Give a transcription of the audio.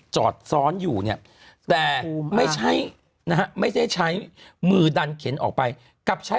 จอดซ้อนอยู่เนี่ยแต่ไม่ใช่นะฮะไม่ใช่ใช้มือดันเข็นออกไปกลับใช้